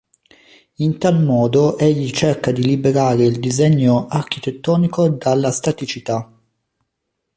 In tal modo egli cerca di liberare il disegno architettonico dalla staticità.